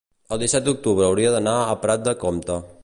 el disset d'octubre hauria d'anar a Prat de Comte.